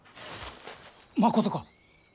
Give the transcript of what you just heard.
まことか！？